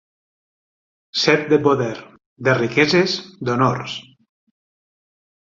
Set de poder, de riqueses, d'honors.